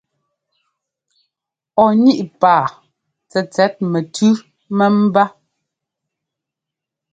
Ɔ níꞋ paa tsɛtsɛt mɛtʉ́ mɛ́mbá.